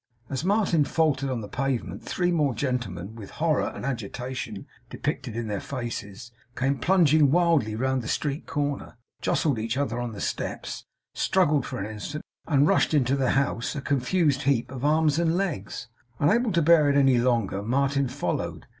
As Martin faltered on the pavement, three more gentlemen, with horror and agitation depicted in their faces, came plunging wildly round the street corner; jostled each other on the steps; struggled for an instant; and rushed into the house, a confused heap of arms and legs. Unable to bear it any longer, Martin followed.